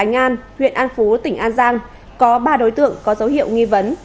hải ngan huyện an phú tỉnh an giang có ba đối tượng có dấu hiệu nghi vấn